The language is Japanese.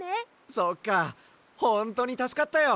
そっかほんとにたすかったよ！